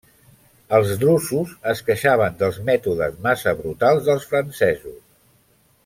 Els drusos es queixaven dels mètodes massa brutals dels francesos.